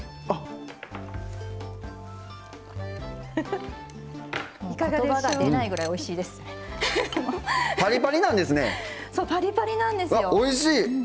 わっおいしい！